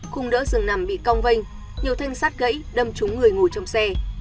khung đỡ rừng nằm bị cong vênh nhiều thanh sát gãy đâm trúng người ngồi trong xe